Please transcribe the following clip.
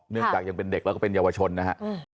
เนื่องจากยังเป็นเด็กแล้วก็เป็นเยาวชนนะครับ